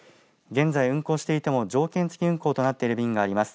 現在、運航していても条件付き運航となっている便があります。